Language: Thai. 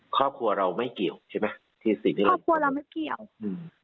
ครอบครัวเราไม่เกี่ยวใช่ไหมที่สิ่งที่เราครอบครัวเราไม่เกี่ยวอืม